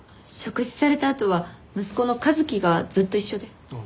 食事されたあとは息子の一輝がずっと一緒で。